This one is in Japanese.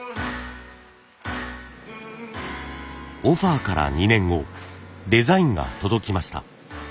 オファーから２年後デザインが届きました。